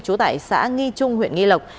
chú tải xã nghi trung huyện nghi lộc